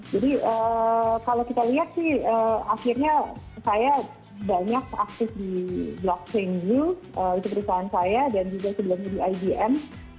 kalau kita lihat sih akhirnya saya banyak aktif di blockchain new itu perusahaan saya dan juga sebelumnya di igm